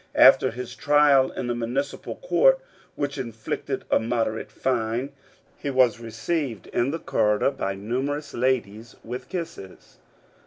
After his trial in the municipal court, which inflicted a moderate fine, he was received in the corrider by numerous ladies with kisses.